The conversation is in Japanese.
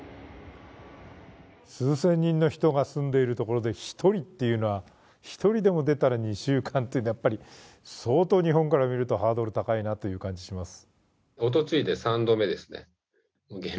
数千人の人が住んでいるところで１人というのは２週間というのは、やっぱり相当日本から見るとハードル高いなという感じがします。